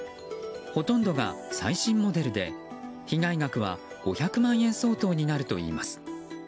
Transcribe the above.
ほとんどが最新モデルで被害額は５００万円相当になるといいます。